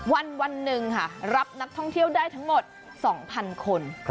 วันหนึ่งค่ะรับนักท่องเที่ยวได้ทั้งหมด๒๐๐๐คน